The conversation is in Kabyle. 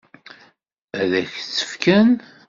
Ad k-tt-fken?